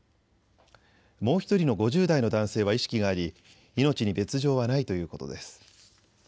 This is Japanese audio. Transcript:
もう１人の５０代の男性は意識があり命に別状はないということです。